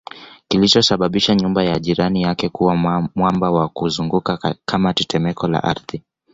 kilichosababisha nyumba ya jirani yake kuwa mwamba na kuzunguka kama tetemeko la ardhi